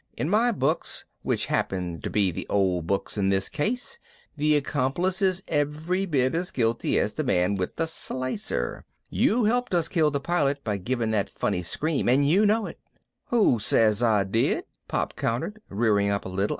In my books, which happen to be the old books in this case, the accomplice is every bit as guilty as the man with the slicer. You helped us kill the Pilot by giving that funny scream and you know it." "Who says I did?" Pop countered, rearing up a little.